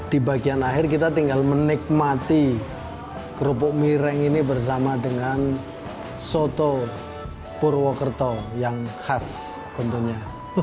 di bagian akhir kita tinggal menikmati kerupuk mireng ini bersama dengan soto purwokerto yang khas tentunya